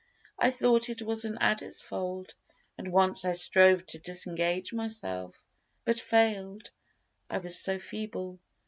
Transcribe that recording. I thought it was an adder's fold, And once I strove to disengage myself, But fail'd, I was so feeble.